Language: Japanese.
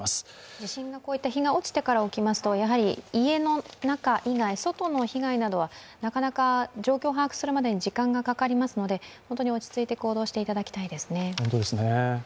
地震が日が落ちてから起きますと家の中以外の被害、外の被害などはなかなか状況を把握するまでに時間がかかりますので、本当に落ち着いて行動していただきたいですね。